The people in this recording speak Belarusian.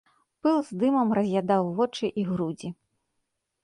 Пыл з дымам раз'ядаў вочы і грудзі.